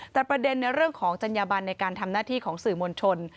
แต่ประเด็นในเรื่องของจัญญาบันในการทำหน้าที่ของสื่อมวลชน